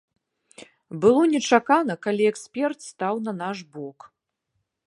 Было нечакана, калі эксперт стаў на наш бок.